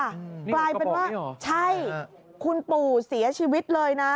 นี่มันกระโป้งนี่หรือใช่คุณปู่เสียชีวิตเลยนะ